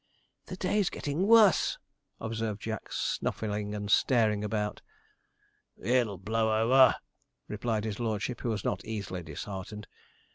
'The day's gettin' wuss,' observed Jack, snuffling and staring about. 'It'll blow over,' replied his lordship, who was not easily disheartened.